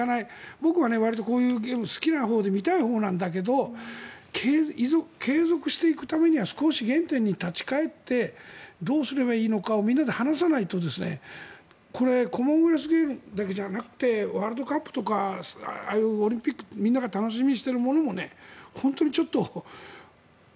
僕はわりとこういうゲーム好きなほうで見たいほうなんだけど継続していくためには少し原点に立ち返ってどうすればいいのかをみんなで話さないとコモンウェルスゲームズだけじゃなくてワールドカップとかオリンピックみんなが楽しみにしているものも本当にちょっと。